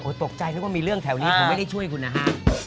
ตกใจนึกว่ามีเรื่องแถวนี้ผมไม่ได้ช่วยคุณนะฮะ